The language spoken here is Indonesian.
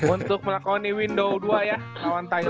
untuk melakoni window dua ya lawan thailand